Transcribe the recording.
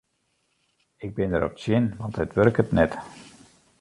Ik bin derop tsjin want it wurket net.